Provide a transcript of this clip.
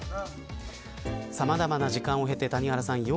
さまざまな時間を経て谷原さん